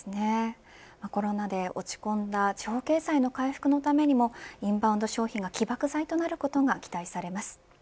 コロナで落ち込んだ地方経済の回復のためにもインバウンド消費や起爆剤となることが期待されます。